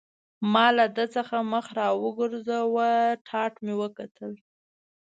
ما له ده څخه مخ را وګرځاوه، ټاټ مې وکتل.